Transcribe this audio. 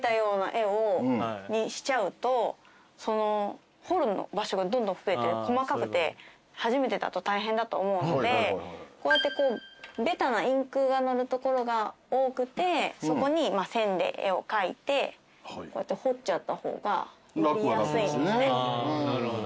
にしちゃうと彫る場所がどんどん増えて細かくて初めてだと大変だと思うのでこうやってこうインクがのるところが多くてそこに線で絵を描いて彫っちゃった方が彫りやすいんですね。